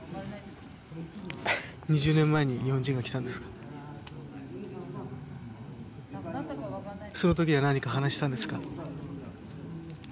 ２０年前に日本人が来たんですかそのときは何か話したんですか？